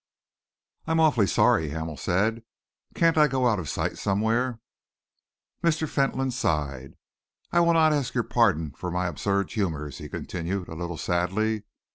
"I am awfully sorry," Hamel said. "Can't I go out of sight somewhere?" Mr. Fentolin sighed. "I will not ask your pardon for my absurd humours," he continued, a little sadly.